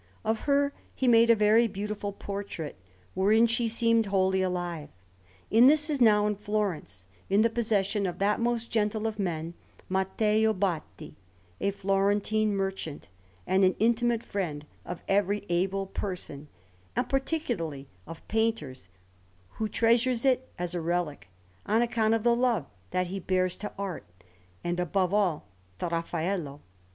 Of her he made a very beautiful portrait, wherein she seemed wholly alive: and this is now in Florence, in the possession of that most gentle of men, Matteo Botti, a Florentine merchant, and an intimate friend of every able person, and particularly of painters, who treasures it as a relic, on account of the love that he bears to art, and above all to Raffaello.